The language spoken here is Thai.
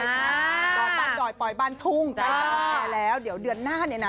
ปล่อยบ้านด่อยปล่อยบ้านทุ่งได้การแอร์แล้วเดี๋ยวเดือนหน้าเนี่ยนะ